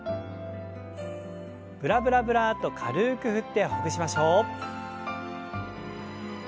ブラブラブラッと軽く振ってほぐしましょう。